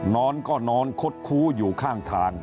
นอนก็นอนคดคู้อยู่ข้างทาง